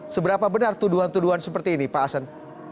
seberapa benar tuduhan tuduhan seperti ini pak asen